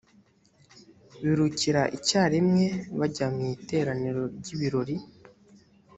birukira icyarimwe bajya mu iteraniro ry ibirori